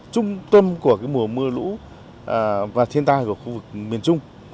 trung tâm của mùa mưa lũ và thiên tai của khu vực miền trung